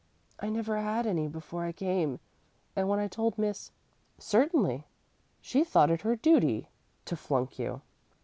"I never had any before I came, and when I told Miss " "Certainly; she thought it her duty to flunk you.